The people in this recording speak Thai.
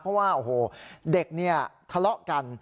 เพราะว่าเด็กนี่ทะเลาะกัน